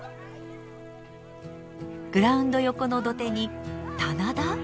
グラウンド横の土手に棚田⁉